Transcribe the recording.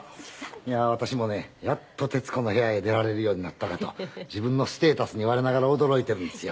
いやー私もねやっと『徹子の部屋』へ出られるようになったかと自分のステータスに我ながら驚いているんですよ。